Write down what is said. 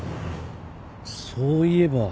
そういえば。